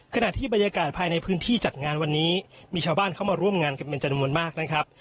ขณะที่บรรยากาศภายในพื้นที่จัดงานวันนี้มีชาวบ้านเข้ามาร่วมงานกันเป็นจำนวนมากนะครับ